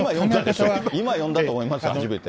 今呼んだと思いますよ、初めて。